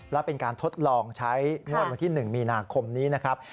และเป็นการทดลองใช้งวดวันที่๑มีนาคมนี้นะครับ